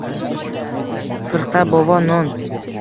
— Firqa bova, non